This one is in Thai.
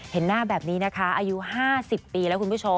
เห็นหน้าแบบนี้นะคะอายุ๕๐ปีแล้วคุณผู้ชม